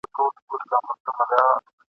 رشتیا خبري یا مست کوي یا لني ..